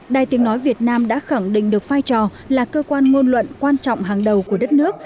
đài tiếng nói việt nam đã khẳng định được vai trò là cơ quan ngôn luận quan trọng hàng đầu của đất nước